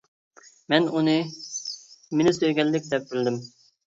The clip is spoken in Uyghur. مەن ئۇنى مېنى سۆيگەنلىك دەپ بىلدىم.